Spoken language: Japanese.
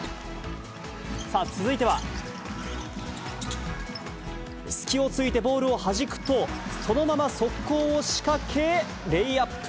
さあ、続いては、隙をついてボールをはじくと、そのまま速攻を仕掛け、レイアップ。